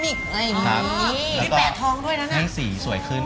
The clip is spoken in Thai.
มี๘ท้องด้วยนะเนี่ยแล้วก็แห้งสีสวยคืน